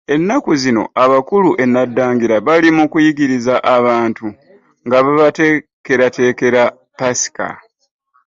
Ennaku zino abakulu e Naddangira bali mu kuyigiriza bantu, nga babateekerateekera Paska.